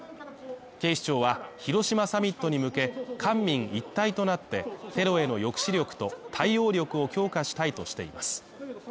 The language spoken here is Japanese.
警視庁は広島サミットに向け、官民一体となって、テロへの抑止力と対応力を強化したいとしています。